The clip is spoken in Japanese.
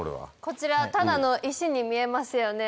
こちらただの石に見えますよね。